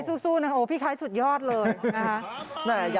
ขอบคุณพี่ไทยที่ขอบคุณพี่ไทย